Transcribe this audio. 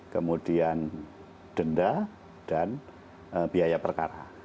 kemudian denda dan biaya perkara